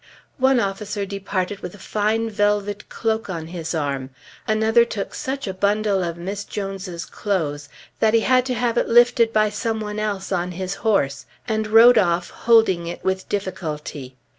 One officer departed with a fine velvet cloak on his arm; another took such a bundle of Miss Jones's clothes, that he had to have it lifted by some one else on his horse, and rode off holding it with difficulty.